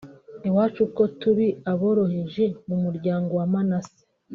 iwacu ko turi aboroheje mu muryango wa manase